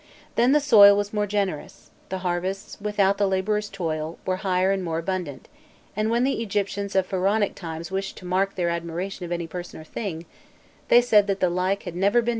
Then the soil was more generous; the harvests, without the labourer's toil, were higher and more abundant;[*] and when the Egyptians of Pharaonic times wished to mark their admiration of any person or thing, they said that the like had never been known since the time of Râ.